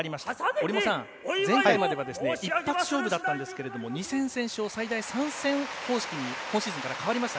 折茂さん、前回までは一発勝負でしたが２戦先勝、最大３戦方式に今シーズンから変わりました。